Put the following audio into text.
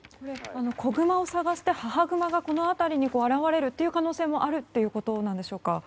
子グマを捜して母グマがこの辺りに現れる可能性もあるということですか？